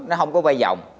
nó không có vay vòng